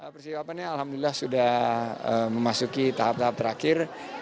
persiapannya alhamdulillah sudah memasuki tahap tahap terakhir